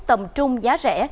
tầm trung giá rẻ